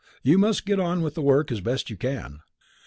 You must get on with the work as best you can.